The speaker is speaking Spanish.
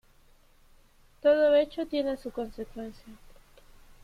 Todo hecho tiene su consecuencia.